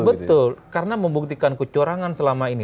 betul karena membuktikan kecurangan selama ini